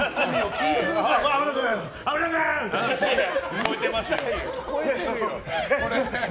聞こえてますよ。